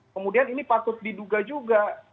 kemudian ini patut diduga juga